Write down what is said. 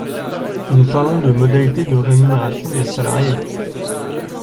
Nous parlons de modalités de rémunération de salariés.